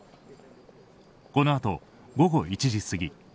このあと午後１時過ぎ